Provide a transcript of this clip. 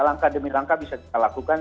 langkah demi langkah bisa kita lakukan